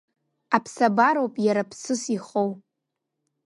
Аԥсабароуп иара ԥсыс ихоу.